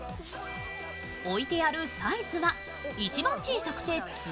置いてあるサイズは一番小さくて２Ｌ。